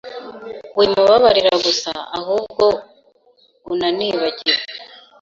wimubabarira gusa ahubwo unanibagirwe